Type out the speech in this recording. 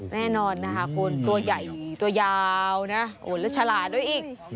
แน่นอนนะคะคุณตัวใหญ่ตัวยาวนะโอ้แล้วฉลาดด้วยอีก